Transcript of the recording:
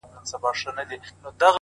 یوه ورځ کفن کښ زوی ته ویل ګرانه-